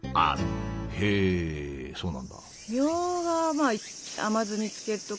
へえそうなんだ。